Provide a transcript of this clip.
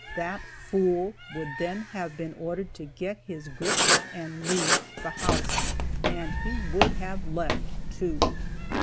That fool would then have been ordered to get his grip and leave the house, and he would have left, too.